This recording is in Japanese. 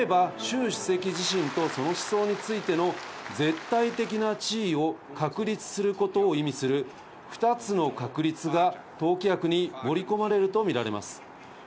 例えばシュウ主席自身とその思想についての絶対的地位を確立することを意味する２つの確率が党規約に盛り込まれるとみられます。